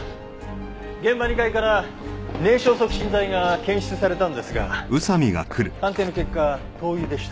現場２階から燃焼促進剤が検出されたんですが鑑定の結果灯油でした。